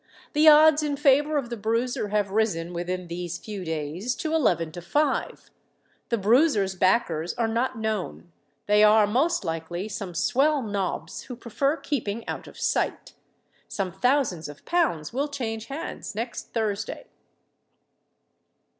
The odds in favour of the Bruiser have risen within these few days to eleven to five. The Bruiser's backers are not known: they are most likely some swell nobs, who prefer keeping out of sight. Some thousands of pounds will change hands next Thursday."